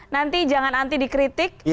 nanti jangan anti dikritik